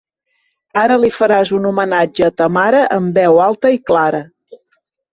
Ara li faràs un homenatge a ta mare en veu alta i clara.